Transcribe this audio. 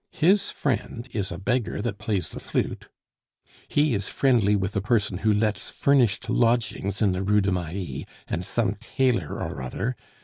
His friend is a beggar that plays the flute. He is friendly with a person who lets furnished lodgings in the Rue du Mail and some tailor or other....